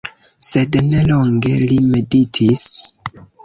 Sed ne longe li meditis.